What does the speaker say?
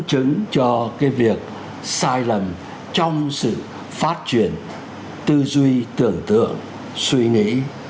dẫn chứng cho cái việc sai lầm trong sự phát truyền tư duy tưởng tượng suy nghĩ